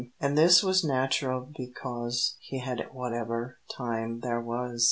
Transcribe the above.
(And this was natural becos He had whatever time there was.)